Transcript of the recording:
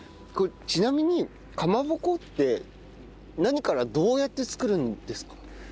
これちなみにかまぼこって何からどうやって作るんですか？